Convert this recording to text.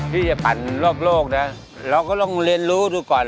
ที่จะปั่นรอบโลกนะเราก็ต้องเรียนรู้ดูก่อน